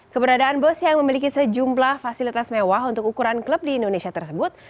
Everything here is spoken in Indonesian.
keberadaan bus yang memiliki sejumlah fasilitas mewah untuk ukuran klub di indonesia tersebut